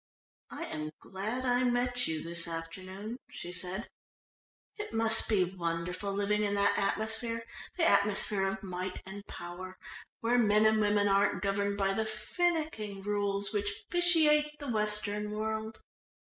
"I am glad I met you this afternoon," she said. "It must be wonderful living in that atmosphere, the atmosphere of might and power, where men and women aren't governed by the finicking rules which vitiate the Western world."